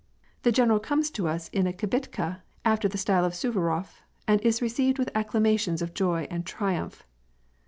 The general comes to us in a kibitka after the style of Suvarof, and is received with acdamatioi^ of ioy and triumph.